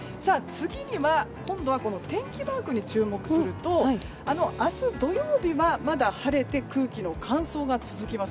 今度は天気マークに注目すると明日、土曜日は、まだ晴れて空気の乾燥が続きます。